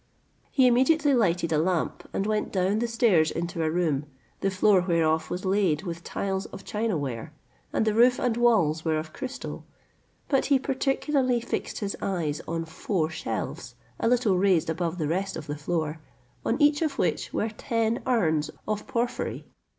He immediately lighted a lamp, and went down the stairs into a room, the floor whereof was laid with tiles of chinaware, and the roof and walls were of crystal; but he particularly fixed his eyes on four shelves, a little raised above the rest of the floor, on each of which were ten urns of porphyry.